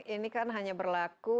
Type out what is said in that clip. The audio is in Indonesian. ini kan hanya berlaku